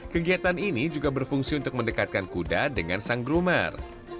kegiatan ini juga berfungsi untuk mendekatkan kuda dengan sang groomer